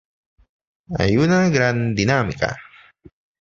Hay una gran dinámica.